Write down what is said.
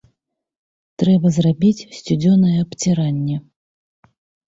Трэба зрабіць сцюдзёнае абціранне!